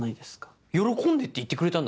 「喜んで」って言ってくれたんだぞ？